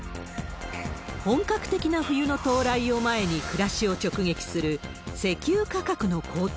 本格的な冬の到来を前に暮らしを直撃する、石油価格の高騰。